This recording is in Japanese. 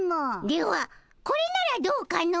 ではこれならどうかの？